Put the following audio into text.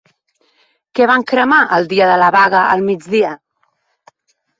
Què van cremar el dia de la vaga al migdia?